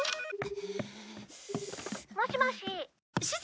「もしもし」